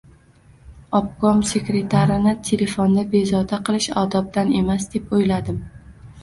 Obkom sekretarini telefonda bezovta qilish odobdan emas, deb o‘yladim.